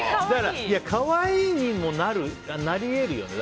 可愛いにもなり得るよね